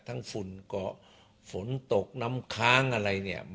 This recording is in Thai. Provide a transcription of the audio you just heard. ฝุ่นเกาะฝนตกน้ำค้างอะไรเนี่ย